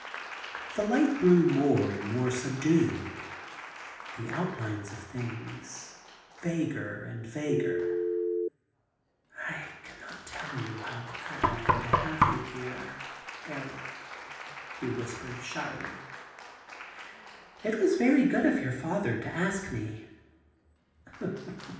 The light grew more and more subdued ; the out lines of things vaguer and vaguer. *I cannot tell you how glad I am to have you here, Harold,' he whispered shyly. * It was very good of your father to ask me.'